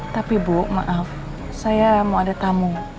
tapi bu maaf saya mau ada tamu